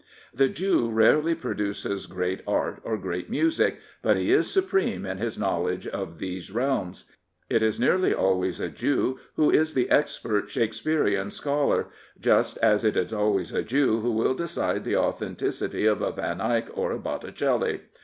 The Jew rarely pro duces great art or great music; but he is supreme in his knowledge of those realms. It is nearly always ! I 253 Prophets, Priests, and Kings a Jew who is the expert Shakespearean scholar, just as it is always a Jew who will decide the authenticity of a Van Eyck or a Botticelli.